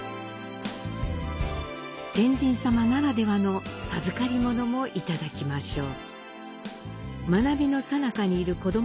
「天神さま」ならではの授かり物もいただきましょう。